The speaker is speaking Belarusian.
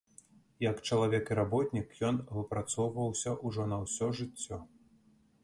Як чалавек і работнік ён выпрацоўваўся ўжо на ўсё жыццё.